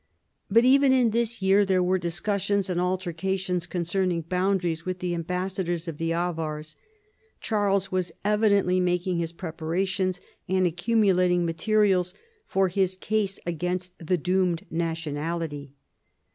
But even in this year there were discussions and altercations concerning boundaries with the ambassadors of the Avars. Charles was evidently making his preparations and accumulating materials for his case against the doomed nationality.